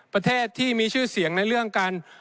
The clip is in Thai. ประเทศที่มีชื่อเสียงในเรื่องการ